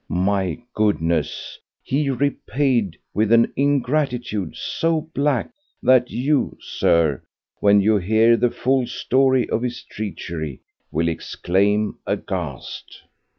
My goodness, he repaid with an ingratitude so black that you, Sir, when you hear the full story of his treachery, will exclaim aghast.